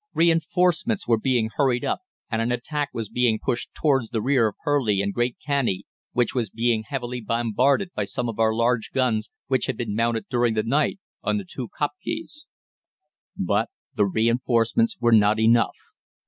Reinforcements were being hurried up, and an attack was being pushed towards the rear of Purleigh and Great Canney, which was being heavily bombarded by some of our large guns, which had been mounted during the night on the two kopjes. "But the reinforcements were not enough.